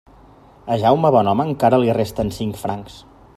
A Jaume Bonhome encara li resten cinc francs.